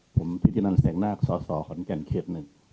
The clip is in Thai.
ผมพิธีนันแสงนาคสสขอนแก่นเขต๑